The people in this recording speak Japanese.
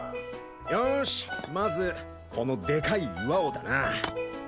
よしまずこのでかい岩をだなあ。